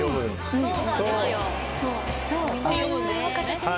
そうなんですよ。